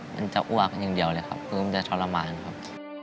มันจะอ้วกอย่างเดียวเลยครับคือมันจะทรมานครับ